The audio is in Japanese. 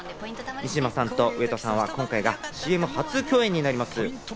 西島さんと上戸さんは今回がＣＭ初共演となります。